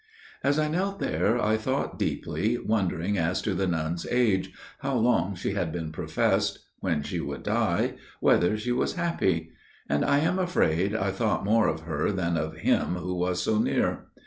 "As I knelt there I thought deeply, wondering as to the nun's age, how long she had been professed, when she would die, whether she was happy; and, I am afraid, I thought more of her than of Him Who was so near.